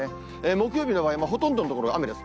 木曜日の場合もほとんどの所が雨です。